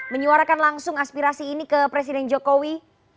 menyuarakan langsung aspirasi ini ke presiden jokowi